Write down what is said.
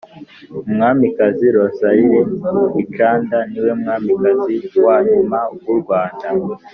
Umwamikazi Rosalie Gicanda niwe Mwamikazi wanyuma w’u Rwanda.